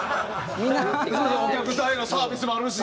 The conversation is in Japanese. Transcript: お客さんへのサービスもあるし。